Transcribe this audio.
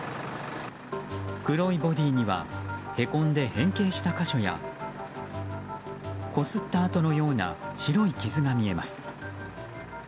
黒いボディーにはへこんで変形した個所やこすった痕のような白い傷が見えます。